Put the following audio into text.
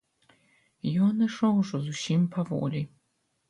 Ён ішоў ужо зусім паволі.